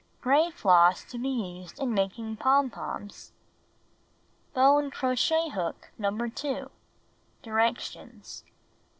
Gray floss to be used in making pom poms. Bone crochet hook No. 2. Directions: 1.